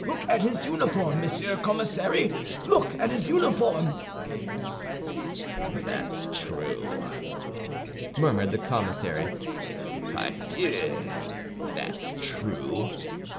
Look at his uniform, Monsieur Commissary, look at his uniform!" "That's true," murmured the commissary; "pardieu, that's true."